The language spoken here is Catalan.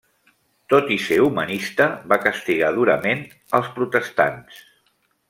Tot i ser humanista, va castigar durament els protestants.